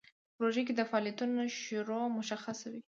په پروژه کې د فعالیتونو شروع مشخصه وي.